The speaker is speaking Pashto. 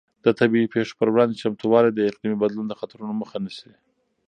د طبیعي پېښو پر وړاندې چمتووالی د اقلیمي بدلون د خطرونو مخه نیسي.